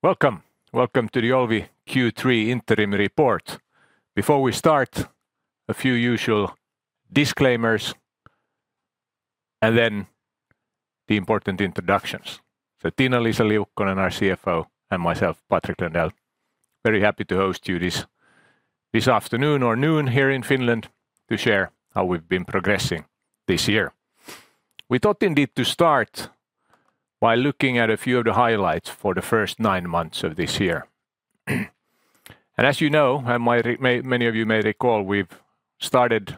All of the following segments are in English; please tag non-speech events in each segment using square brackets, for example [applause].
Welcome! Welcome to the Olvi Q3 interim report. Before we start, a few usual disclaimers, and then the important introductions. So Tiina-Liisa Liukkonen, our CFO, and myself, Patrik Lundell, very happy to host you this afternoon or noon here in Finland to share how we've been progressing this year. We thought indeed to start by looking at a few of the highlights for the first nine months of this year. And as you know, and might many of you may recall, we've started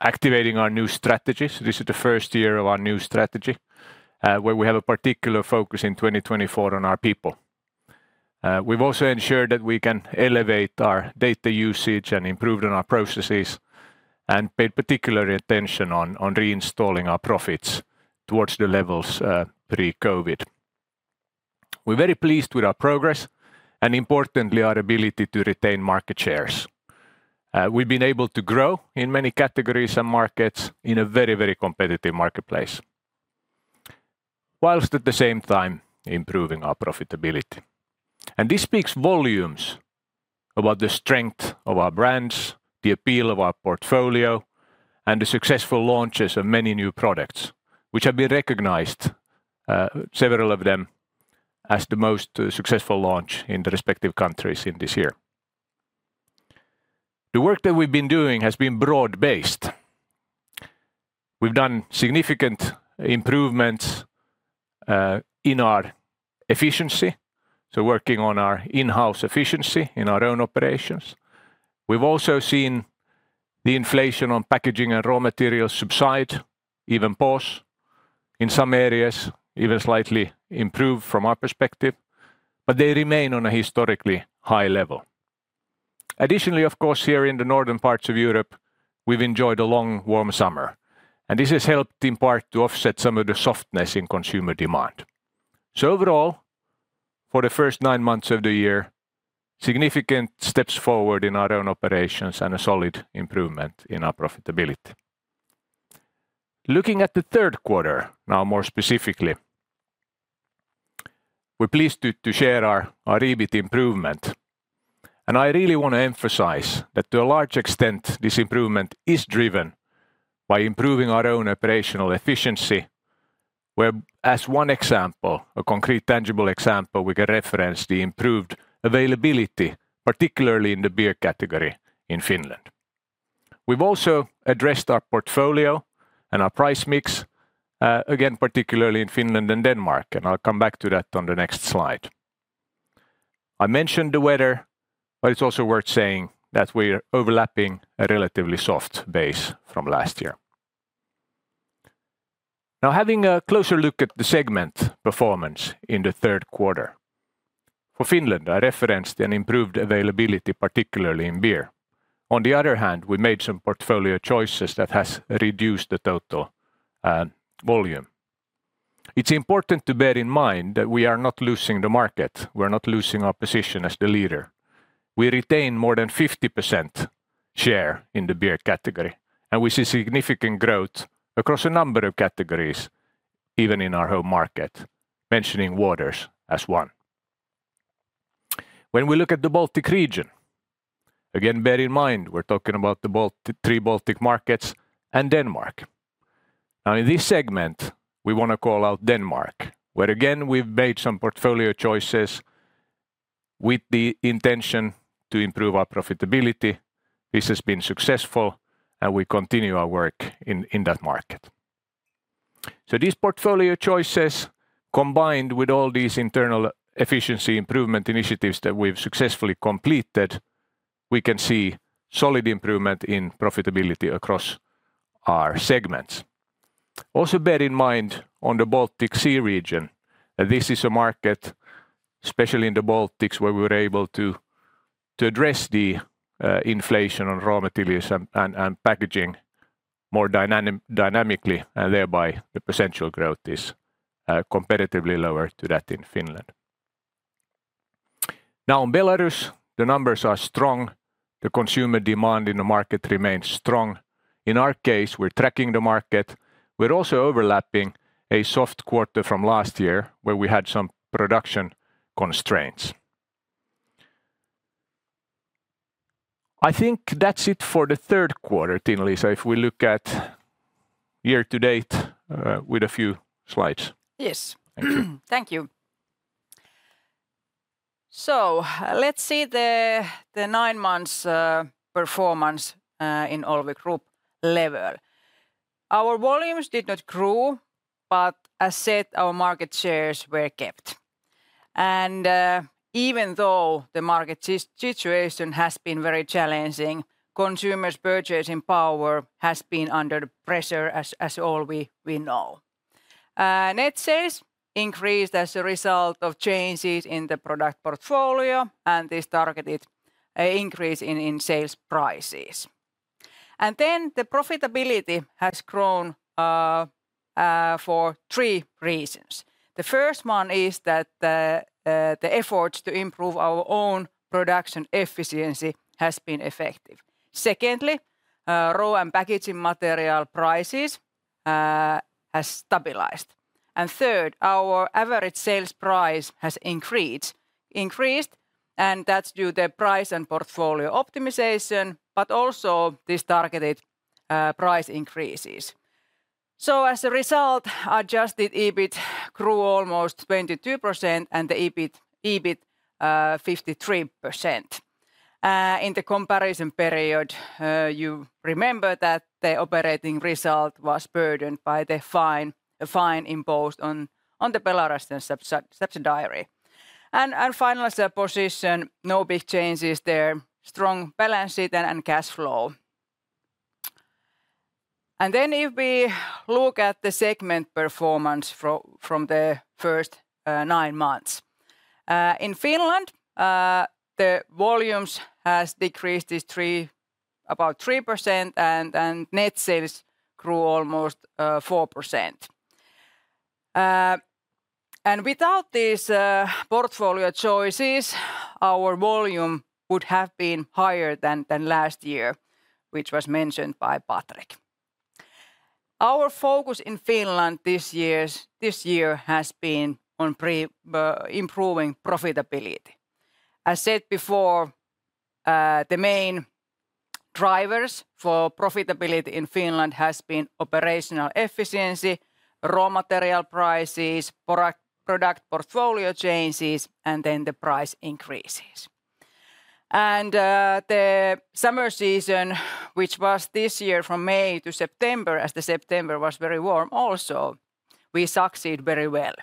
activating our new strategies. This is the first year of our new strategy, where we have a particular focus in 2024 on our people. We've also ensured that we can elevate our data usage and improve on our processes, and paid particular attention on reinstalling our profits towards the levels pre-COVID. We're very pleased with our progress, and importantly, our ability to retain market shares. We've been able to grow in many categories and markets in a very, very competitive marketplace, whilst at the same time improving our profitability. And this speaks volumes about the strength of our brands, the appeal of our portfolio, and the successful launches of many new products, which have been recognized, several of them, as the most successful launch in the respective countries in this year. The work that we've been doing has been broad-based. We've done significant improvements in our efficiency, so working on our in-house efficiency in our own operations. We've also seen the inflation on packaging and raw materials subside, even pause, in some areas even slightly improve from our perspective, but they remain on a historically high level. Additionally, of course, here in the northern parts of Europe, we've enjoyed a long, warm summer, and this has helped in part to offset some of the softness in consumer demand. So overall, for the first nine months of the year, significant steps forward in our own operations and a solid improvement in our profitability. Looking at the third quarter, now more specifically, we're pleased to share our EBIT improvement. And I really want to emphasize that to a large extent, this improvement is driven by improving our own operational efficiency, where, as one example, a concrete tangible example, we can reference the improved availability, particularly in the beer category in Finland. We've also addressed our portfolio and our price mix, again, particularly in Finland and Denmark, and I'll come back to that on the next slide. I mentioned the weather, but it's also worth saying that we're overlapping a relatively soft base from last year. Now, having a closer look at the segment performance in the third quarter, for Finland, I referenced an improved availability, particularly in beer. On the other hand, we made some portfolio choices that has reduced the total, volume. It's important to bear in mind that we are not losing the market. We're not losing our position as the leader. We retain more than 50% share in the beer category, and we see significant growth across a number of categories, even in our home market, mentioning waters as one. When we look at the Baltic region, again, bear in mind, we're talking about the three Baltic markets and Denmark. Now, in this segment, we wanna call out Denmark, where again, we've made some portfolio choices with the intention to improve our profitability. This has been successful, and we continue our work in that market. So these portfolio choices, combined with all these internal efficiency improvement initiatives that we've successfully completed, we can see solid improvement in profitability across our segments. Also, bear in mind, on the Baltic Sea region, this is a market, especially in the Baltics, where we were able to address the inflation on raw materials and packaging more dynamically, and thereby the potential growth is competitively lower to that in Finland. Now, in Belarus, the numbers are strong. The consumer demand in the market remains strong. In our case, we're tracking the market. We're also overlapping a soft quarter from last year, where we had some production constraints. I think that's it for the third quarter, Tiina-Liisa, if we look at year to date, with a few slides. Yes. Thank you. Thank you. So, let's see the nine months performance in Olvi Group level. Our volumes did not grow, but as said, our market shares were kept. And even though the market situation has been very challenging, consumers' purchasing power has been under the pressure, as we all know. Net sales increased as a result of changes in the product portfolio and this targeted an increase in sales prices. And then the profitability has grown for three reasons. The first one is that the efforts to improve our own production efficiency has been effective. Secondly, raw and packaging material prices has stabilized. And third, our average sales price has increased, and that's due to price and portfolio optimization, but also these targeted price increases. As a result, adjusted EBIT grew almost 22%, and the EBIT 53%. In the comparison period, you remember that the operating result was burdened by the fine, a fine imposed on the Belarus subsidiary. And financial position, no big changes there. Strong balance sheet and cash flow. And then if we look at the segment performance from the first nine months. In Finland, the volumes has decreased by about 3%, and net sales grew almost 4%. And without these portfolio choices, our volume would have been higher than last year, which was mentioned by Patrik. Our focus in Finland this year has been on improving profitability. As said before, the main drivers for profitability in Finland has been operational efficiency, raw material prices, product portfolio changes, and then the price increases. The summer season, which was this year from May to September, as September was very warm also, we succeed very well.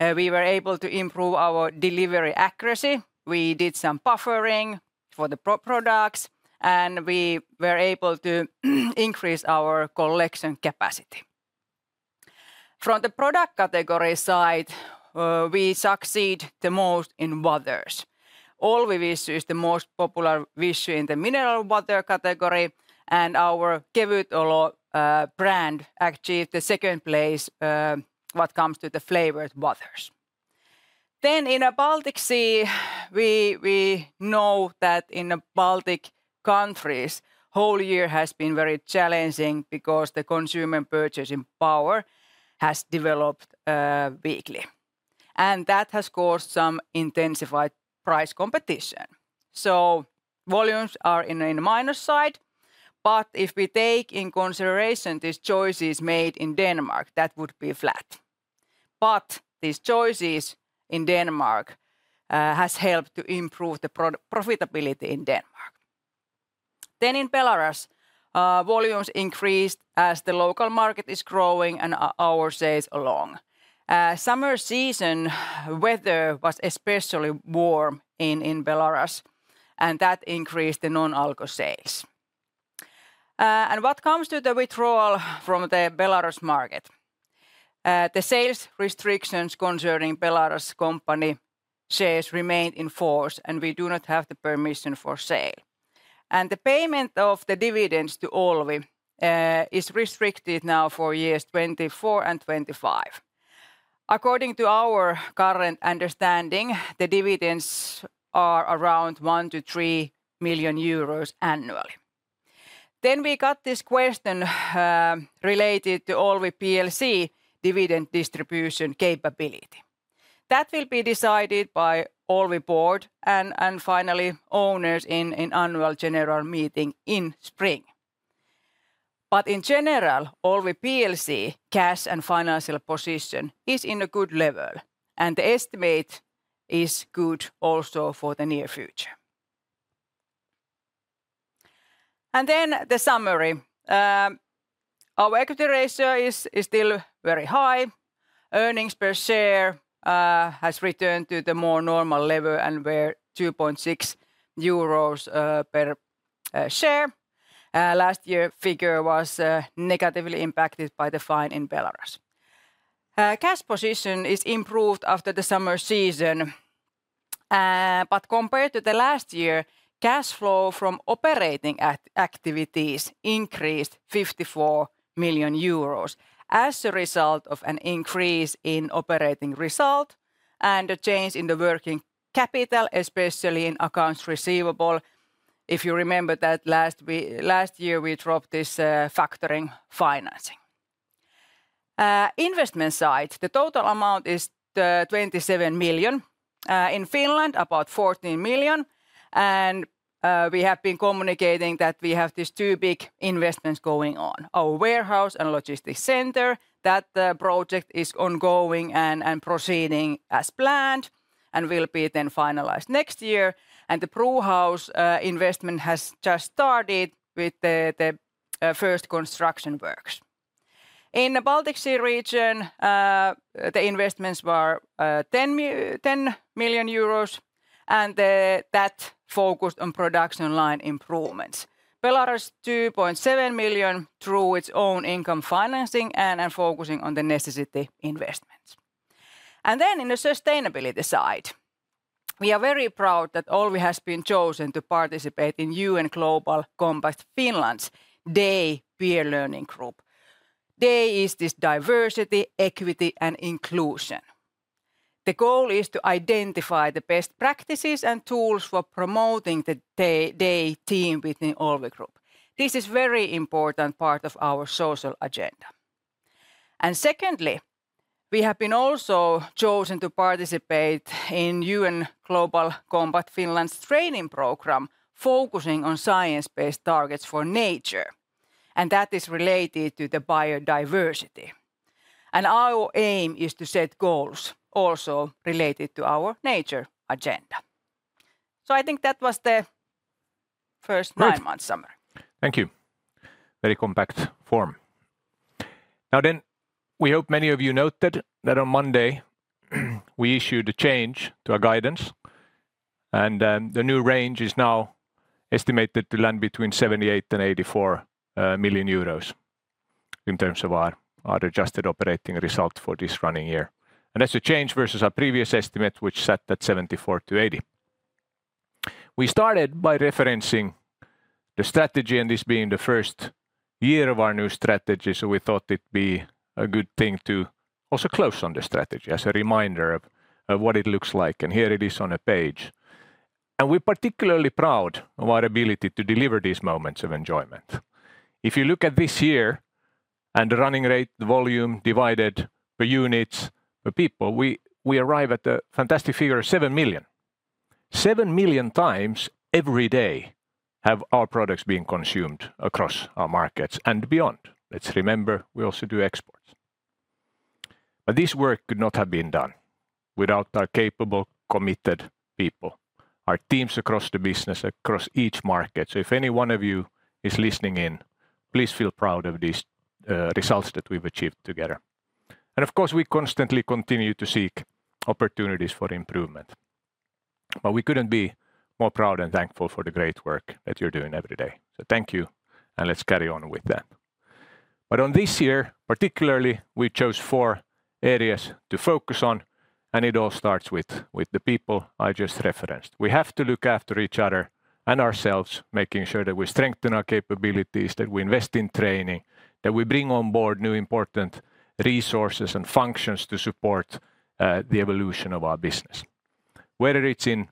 We were able to improve our delivery accuracy. We did some buffering for the products, and we were able to increase our collection capacity. From the product category side, we succeed the most in waters. Olvi Vichy is the most popular vichy in the mineral water category, and our KevytOlo brand achieved the second place, when it comes to the flavored waters. Then in the Baltic Sea, we know that in the Baltic countries, whole year has been very challenging because the consumer purchasing power has developed weakly, and that has caused some intensified price competition. So volumes are in a minus side, but if we take in consideration these choices made in Denmark, that would be flat. But these choices in Denmark has helped to improve the profitability in Denmark. Then in Belarus, volumes increased as the local market is growing and our sales along. Summer season, weather was especially warm in Belarus, and that increased the non-alco sales. And what comes to the withdrawal from the Belarus market? The sales restrictions concerning Belarus company shares remain in force, and we do not have the permission for sale. The payment of the dividends to Olvi is restricted now for years 2024 and 2025. According to our current understanding, the dividends are around 1 million-3 million euros annually. Then we got this question related to Olvi plc dividend distribution capability. That will be decided by Olvi board and finally, owners in an Annual General Meeting in spring. But in general, Olvi plc cash and financial position is in a good level, and the estimate is good also for the near future. Then the summary. Our equity ratio is still very high. Earnings per share has returned to the more normal level and were 2.6 euros per share. Last year figure was negatively impacted by the fine in Belarus. Cash position is improved after the summer season, but compared to last year, cash flow from operating activities increased 54 million euros as a result of an increase in operating result and a change in the working capital, especially in accounts receivable. If you remember that last year, we dropped this factoring financing. Investment side, the total amount is 27 million. In Finland, about 14 million, and we have been communicating that we have these two big investments going on: our warehouse and logistics center, that project is ongoing and proceeding as planned and will be then finalized next year. And the brewhouse investment has just started with the first construction works. In the Baltic Sea region, the investments were 10 million euros, and that focused on production line improvements. Belarus, 2.7 million through its own income financing and focusing on the necessary investments. And then in the sustainability side, we are very proud that Olvi has been chosen to participate in UN Global Compact Finland's DEI Peer Learning Group. DEI is this diversity, equity, and inclusion. The goal is to identify the best practices and tools for promoting the DEI team within Olvi Group. This is very important part of our social agenda. And secondly, we have been also chosen to participate in UN Global Compact Finland's training program, focusing on science-based targets for nature, and that is related to the biodiversity. And our aim is to set goals also related to our nature agenda. So I think that was the first- [crosstalk] - Nine-month summary. Thank you. Very compact form. Now then, we hope many of you noted that on Monday, we issued a change to our guidance, and the new range is now estimated to land between 78 million and 84 million euros in terms of our adjusted operating result for this running year, and that's a change versus our previous estimate, which sat at 74 million-80 million. We started by referencing the strategy, and this being the first year of our new strategy, so we thought it'd be a good thing to also close on the strategy as a reminder of what it looks like, and here it is on a page, and we're particularly proud of our ability to deliver these moments of enjoyment. If you look at this year, and the running rate, the volume divided per units, per people, we arrive at the fantastic figure of seven million. Seven million times every day have our products been consumed across our markets and beyond. Let's remember, we also do exports, but this work could not have been done without our capable, committed people, our teams across the business, across each market, so if any one of you is listening in, please feel proud of these results that we've achieved together, and of course, we constantly continue to seek opportunities for improvement, but we couldn't be more proud and thankful for the great work that you're doing every day, so thank you, and let's carry on with that, but on this year, particularly, we chose four areas to focus on, and it all starts with the people I just referenced. We have to look after each other and ourselves, making sure that we strengthen our capabilities, that we invest in training, that we bring on board new important resources and functions to support the evolution of our business. Whether it's in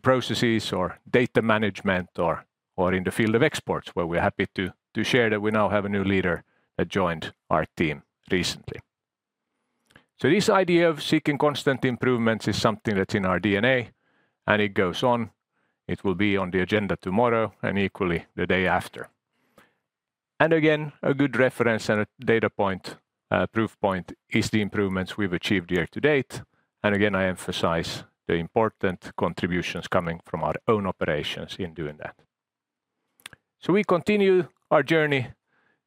processes or data management or in the field of exports, where we're happy to share that we now have a new leader that joined our team recently. So this idea of seeking constant improvements is something that's in our DNA, and it goes on. It will be on the agenda tomorrow and equally the day after. And again, a good reference and a data point, proof point is the improvements we've achieved year to date. And again, I emphasize the important contributions coming from our own operations in doing that. So we continue our journey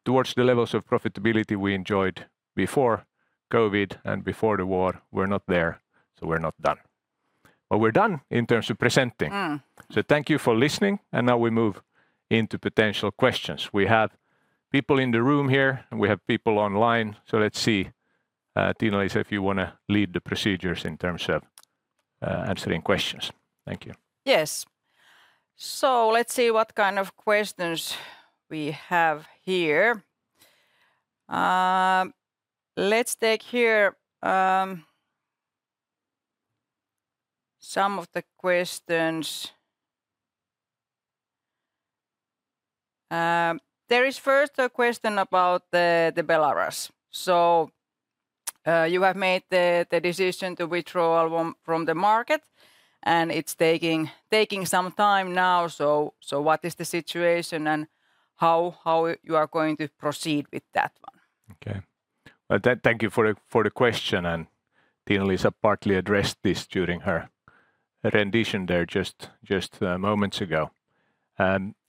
towards the levels of profitability we enjoyed before COVID and before the war. We're not there, so we're not done. But we're done in terms of presenting. Mm. So thank you for listening, and now we move into potential questions. We have people in the room here, and we have people online, so let's see. Tiina, if you wanna lead the procedures in terms of answering questions. Thank you. Yes. So let's see what kind of questions we have here. Let's take here some of the questions. There is first a question about the Belarus. So, you have made the decision to withdraw Olvi from the market, and it's taking some time now, so what is the situation and how you are going to proceed with that one? Okay. Well, thank you for the question, and Tiina-Liisa partly addressed this during her rendition there just moments ago.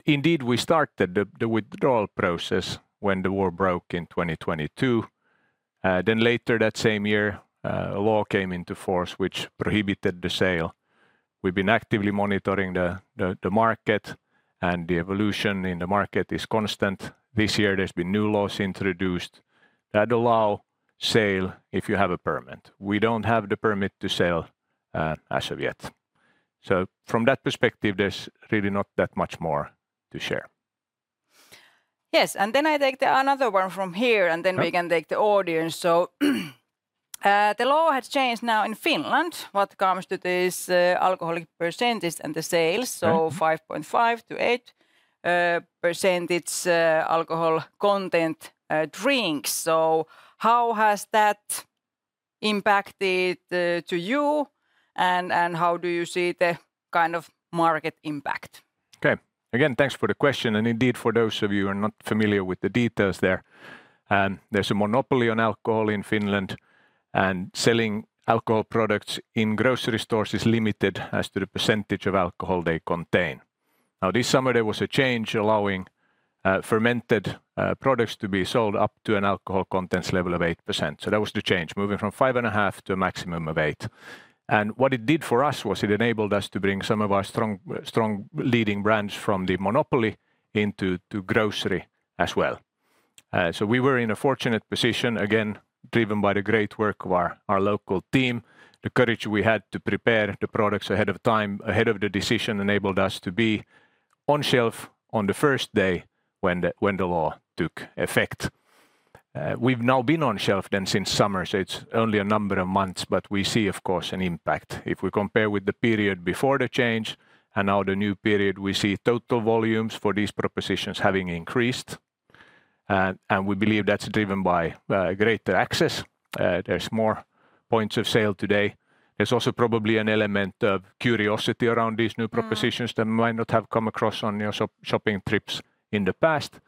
Indeed, we started the withdrawal process when the war broke in twenty twenty-two. Then later that same year, a law came into force which prohibited the sale. We've been actively monitoring the market, and the evolution in the market is constant. This year there's been new laws introduced that allow sale if you have a permit. We don't have the permit to sell as of yet. So from that perspective, there's really not that much more to share. Yes, and then I take another one from here. Sure... and then we can take the audience. So, the law has changed now in Finland what comes to this, alcoholic percentages and the sales. Mm-hmm... so 5.5%-8% alcohol content drinks. So how has that impacted to you, and how do you see the kind of market impact? Okay. Again, thanks for the question, and indeed, for those of you who are not familiar with the details there, there's a monopoly on alcohol in Finland, and selling alcohol products in grocery stores is limited as to the percentage of alcohol they contain. Now, this summer there was a change allowing fermented products to be sold up to an alcohol contents level of 8%. So that was the change, moving from 5.5% to a maximum of 8%. And what it did for us was it enabled us to bring some of our strong, strong leading brands from the monopoly into grocery as well. So we were in a fortunate position, again, driven by the great work of our local team. The courage we had to prepare the products ahead of time, ahead of the decision, enabled us to be on shelf on the first day when the law took effect. We've now been on shelf then since summer, so it's only a number of months, but we see, of course, an impact. If we compare with the period before the change and now the new period, we see total volumes for these propositions having increased. And we believe that's driven by greater access. There's more points of sale today. There's also probably an element of curiosity around these new propositions. Mm... that might not have come across on your shopping trips in the past,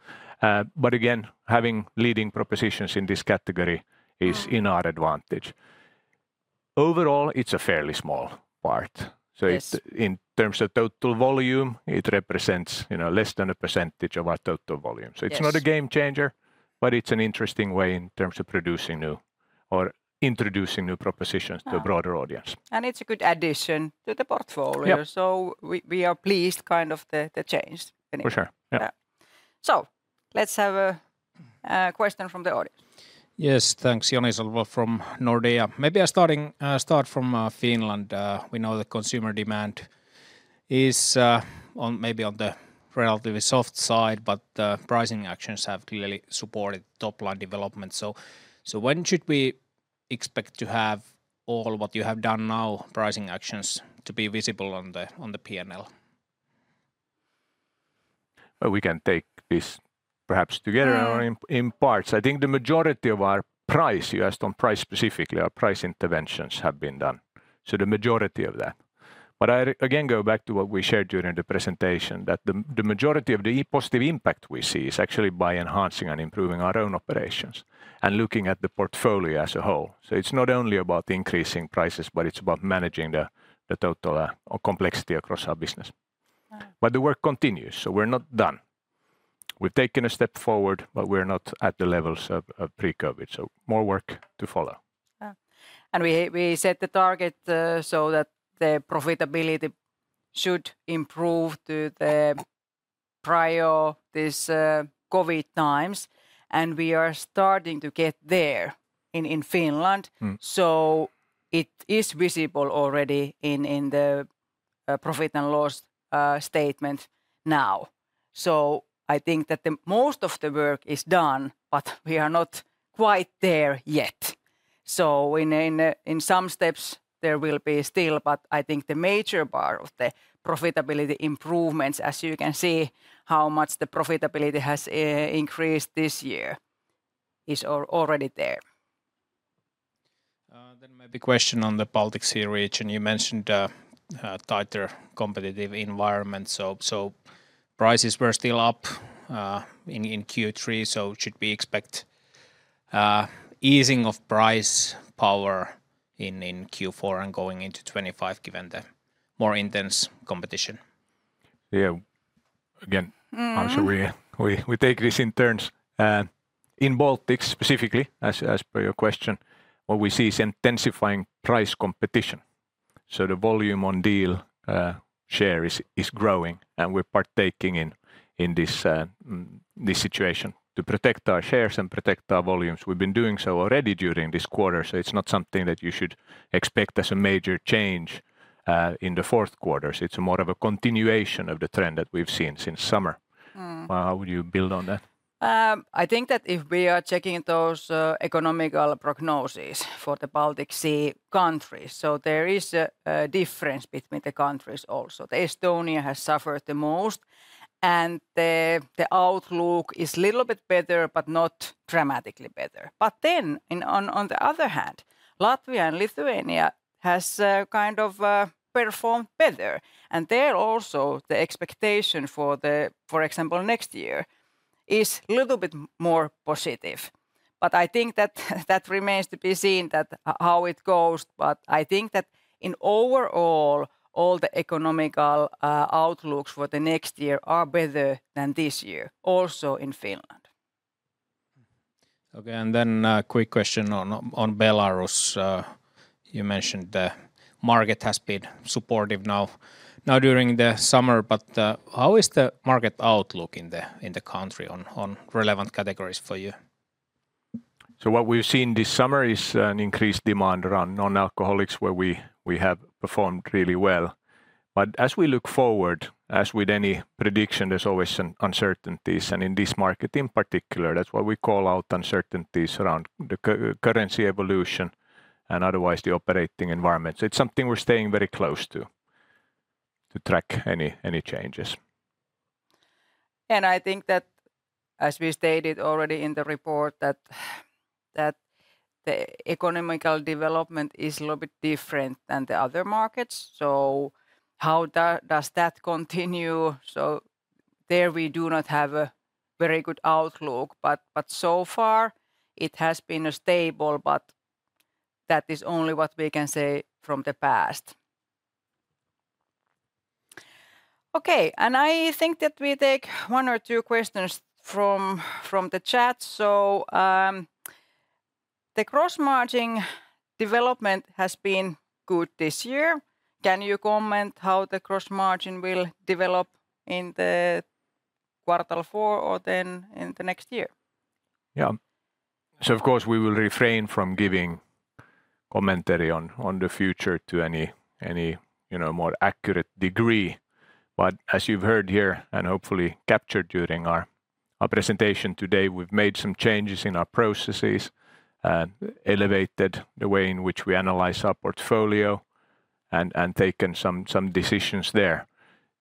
but again, having leading propositions in this category- Mm... is in our advantage. Overall, it's a fairly small part. Yes. So it's, in terms of total volume, it represents, you know, less than a percentage of our total volume. Yes. So it's not a game changer, but it's an interesting way in terms of producing new or introducing new propositions- Mm... to a broader audience. It's a good addition to the portfolio. Yep. We are pleased, kind of, the change anyway. For sure. Yep. Yeah. So let's have a question from the audience. Yes, thanks. Joni Sandvall from Nordea. Maybe I start from Finland. We know the consumer demand is maybe on the relatively soft side, but the pricing actions have clearly supported top-line development. So when should we expect to have all what you have done now, pricing actions, to be visible on the P&L? Well, we can take this perhaps together. Yeah... or in parts. I think the majority of our price, you asked on price specifically, our price interventions have been done, so the majority of that. But I again go back to what we shared during the presentation, that the majority of the positive impact we see is actually by enhancing and improving our own operations and looking at the portfolio as a whole. So it's not only about increasing prices, but it's about managing the total complexity across our business. Yeah. But the work continues, so we're not done. We've taken a step forward, but we're not at the levels of, of pre-COVID, so more work to follow. Yeah. And we set the target so that the profitability should improve to the prior, this COVID times, and we are starting to get there in Finland. Mm. So it is visible already in the profit and loss statement now. So I think that the most of the work is done, but we are not quite there yet. So in some steps there will be still, but I think the major part of the profitability improvements, as you can see how much the profitability has increased this year, is already there. Then maybe question on the Baltic Sea region. You mentioned a tighter competitive environment, so prices were still up in Q3, so should we expect easing of pricing power in Q4 and going into 2025, given the more intense competition? Yeah. Again- Mm... I'm sure we take this in turns. In Baltics specifically, as per your question, what we see is intensifying price competition. So the volume on deal share is growing, and we're partaking in this situation. To protect our shares and protect our volumes, we've been doing so already during this quarter, so it's not something that you should expect as a major change in the fourth quarter. It's more of a continuation of the trend that we've seen since summer. Mm. Would you build on that? I think that if we are checking those economic prognosis for the Baltic Sea countries, so there is a difference between the countries also. Estonia has suffered the most, and the outlook is little bit better but not dramatically better. But then, on the other hand, Latvia and Lithuania has kind of performed better, and there also the expectation for the, for example, next year, is little bit more positive. But I think that that remains to be seen, how it goes. But I think that overall, all the economic outlooks for the next year are better than this year, also in Finland. Okay, and then, a quick question on Belarus. You mentioned the market has been supportive now during the summer, but how is the market outlook in the country on relevant categories for you? So what we've seen this summer is an increased demand around non-alcoholics, where we have performed really well. But as we look forward, as with any prediction, there's always some uncertainties, and in this market in particular, that's why we call out uncertainties around the currency evolution and otherwise the operating environment. It's something we're staying very close to, to track any changes. I think that, as we stated already in the report, that the economic development is a little bit different than the other markets, so how does that continue? So there we do not have a very good outlook, but so far it has been stable, but that is only what we can say from the past. Okay, and I think that we take one or two questions from the chat. So, "The gross margin development has been good this year. Can you comment how the gross margin will develop in the quarter four or then in the next year? Yeah. So of course, we will refrain from giving commentary on the future to any you know more accurate degree. But as you've heard here, and hopefully captured during our presentation today, we've made some changes in our processes, elevated the way in which we analyze our portfolio, and taken some decisions there.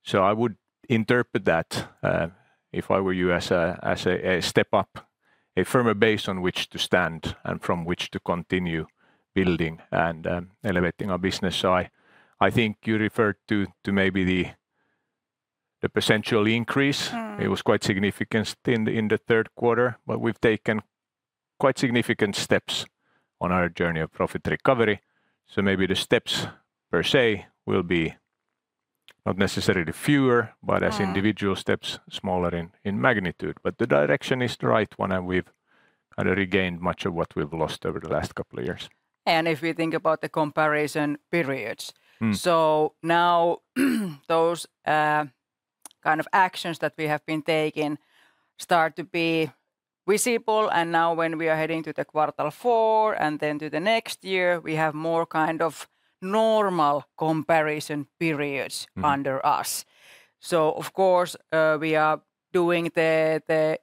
So I would interpret that if I were you as a step up, a firmer base on which to stand, and from which to continue building and elevating our business. So I think you referred to maybe the potential increase. Mm. It was quite significant in the third quarter, but we've taken quite significant steps on our journey of profit recovery. So maybe the steps per se will be not necessarily fewer- Mm... but as individual steps, smaller in magnitude. But the direction is the right one, and we've kind of regained much of what we've lost over the last couple of years. And if we think about the comparison periods- Mm. So now those kind of actions that we have been taking start to be visible, and now when we are heading to the quarter four, and then to the next year, we have more kind of normal comparison periods. Mm... under us. So of course, we are doing the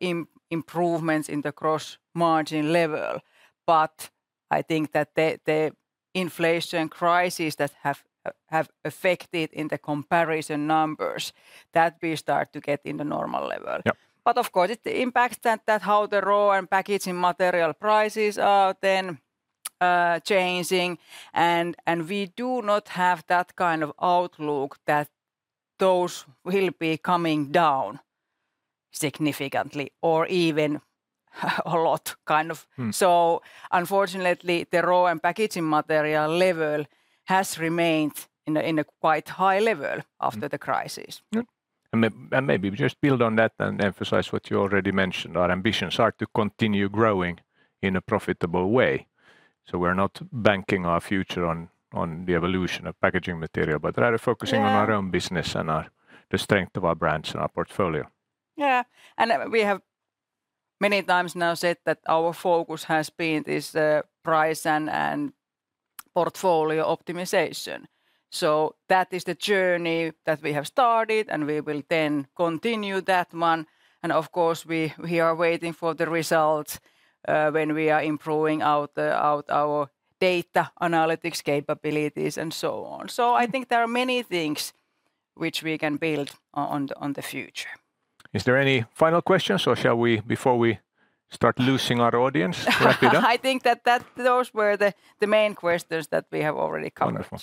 improvements in the gross margin level, but I think that the inflation crisis that have affected in the comparison numbers, that we start to get in the normal level. Yep. But of course, it impacts how the raw and packaging material prices are then changing, and we do not have that kind of outlook that those will be coming down significantly or even a lot, kind of. Mm. Unfortunately, the raw and packaging material level has remained in a quite high level. Mm... after the crisis. Yep, and maybe just build on that and emphasize what you already mentioned. Our ambitions are to continue growing in a profitable way, so we're not banking our future on the evolution of packaging material, but rather focusing on- Yeah... our own business and our, the strength of our brands and our portfolio. Yeah, and we have many times now said that our focus has been this price and portfolio optimization. So that is the journey that we have started, and we will then continue that one, and of course, we are waiting for the results when we are improving our data analytics capabilities and so on. So I think there are many things which we can build on the future. Is there any final questions, or shall we, before we start losing our audience, wrap it up? I think that those were the main questions that we have already covered. Wonderful.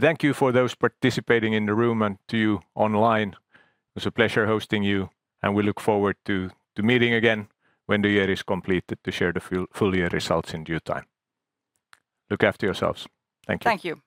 Thank you for those participating in the room and to you online. It was a pleasure hosting you, and we look forward to meeting again when the year is completed to share the full year results in due time. Look after yourselves. Thank you. Thank you.